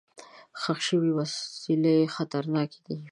ښخ شوي وسلې خطرناکې دي.